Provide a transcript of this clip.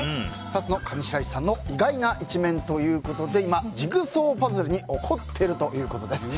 その上白石さんの意外な一面ということで今、ジグソーパズルに怒っているということです。